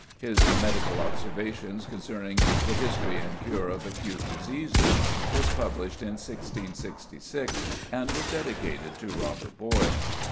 His "Medical Observations concerning the History and Cure of Acute Diseases" was published in 1666, and was dedicated to Robert Boyle.